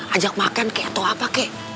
ajak makan kek atau apa kek